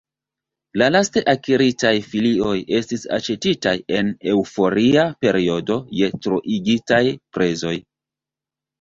La laste akiritaj filioj estis aĉetitaj en eŭforia periodo je troigitaj prezoj.